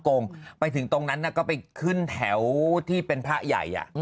แต่เขาก็อย่าไปมั้ย